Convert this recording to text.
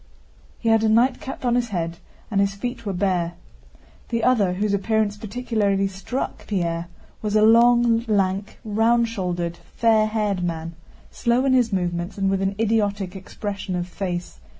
He had a nightcap on his head and his feet were bare. The other, whose appearance particularly struck Pierre, was a long, lank, round shouldered, fair haired man, slow in his movements and with an idiotic expression of face.